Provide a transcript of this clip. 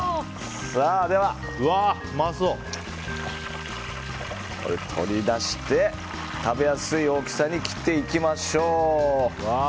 では、取り出して食べやすい大きさに切っていきましょう。